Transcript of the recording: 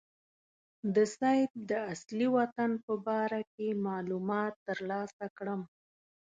د سید د اصلي وطن په باره کې معلومات ترلاسه کړم.